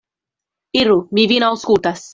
Iru; mi vin aŭskultas.